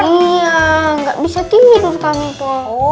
tidur iya enggak bisa tiba tiba